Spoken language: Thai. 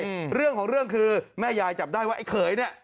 อืมเรื่องของเรื่องคือแม่ยายจับได้ว่าไอ้เขยเนี้ย